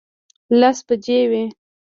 لس بجې وې.